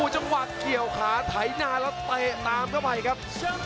จังหวะเกี่ยวขาไถนาแล้วเตะตามเข้าไปครับ